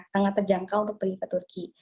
sangat terjangkau untuk pergi ke turki